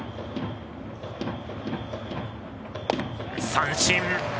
三振。